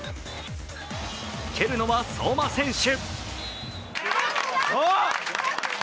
蹴るのは相馬選手。